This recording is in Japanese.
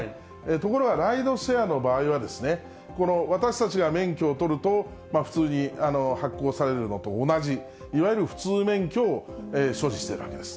ところがライドシェアの場合は、私たちが免許を取ると、普通に発行されるのと同じ、いわゆる普通免許を所持しているわけです。